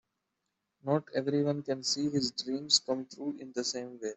Not everyone can see his dreams come true in the same way.